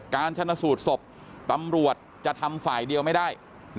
การชนะสูตรศพตำรวจจะทำฝ่ายเดียวไม่ได้